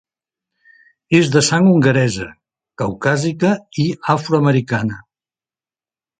És de sang hongaresa, caucàsica i afroamericana.